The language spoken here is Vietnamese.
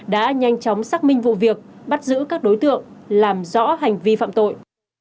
đã nhanh chóng xác minh vụ việc bắt giữ các đối tượng làm rõ hành vi phạm tội